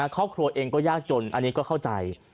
ครอบครัวเองก็ยากจนอันนี้ก็เข้าใจ